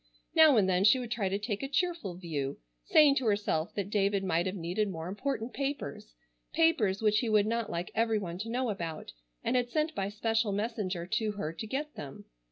Now and then she would try to take a cheerful view, saying to herself that David might have needed more important papers, papers which he would not like everyone to know about, and had sent by special messenger to her to get them.